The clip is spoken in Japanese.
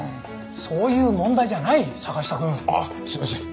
そういう問題じゃない坂下くん！あっすいません。